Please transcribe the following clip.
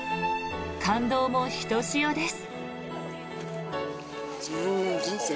感動もひとしおです。